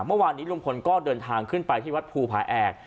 เมื่อวานนี้ลุงพลก็เดินทางขึ้นไปที่วัดภูผาแอก